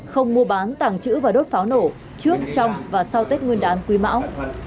không mua bán tàng trữ và đốt pháo nổ trước trong và sau tết nguyên đán quý mão